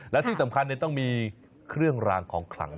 และที่สำคัญต้องมีเครื่องรางของขลัง